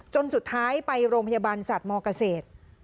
จนสุดท้ายไปโรงพยาบาลสัตว์มเกษตร